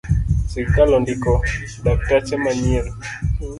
Sirkal ondiko dakteche manyien